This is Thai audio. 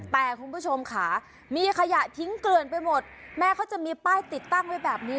แต่คุณผู้ชมค่ะมีขยะทิ้งเกลื่อนไปหมดแม้เขาจะมีป้ายติดตั้งไว้แบบนี้